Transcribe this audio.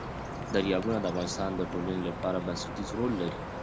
دریابونه د افغانستان د ټولنې لپاره بنسټيز رول لري.